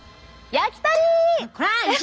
焼き鳥！